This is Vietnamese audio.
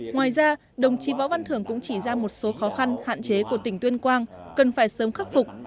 ngoài ra đồng chí võ văn thưởng cũng chỉ ra một số khó khăn hạn chế của tỉnh tuyên quang cần phải sớm khắc phục